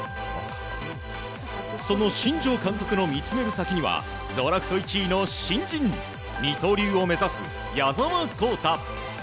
その新庄監督の見つめる先にはドラフト１位の新人二刀流を目指す矢澤宏太。